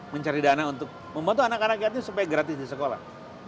mencari dana untuk membantu anak anak yatim supaya gratis di sekolah